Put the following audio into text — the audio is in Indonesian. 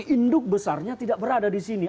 induk besarnya tidak berada di sini